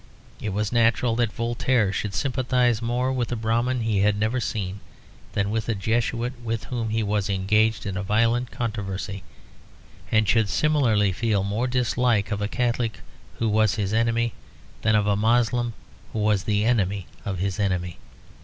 It was natural that Voltaire should sympathise more with a Brahmin he had never seen than with a Jesuit with whom he was engaged in a violent controversy; and should similarly feel more dislike of a Catholic who was his enemy than of a Moslem who was the enemy of his enemy.